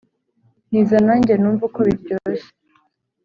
Ntiza nanjye numve uko biryoshye